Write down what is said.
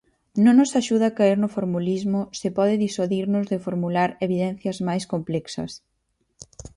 Non nos axuda caer no formulismo se pode disuadirnos de formular evidencias máis complexas.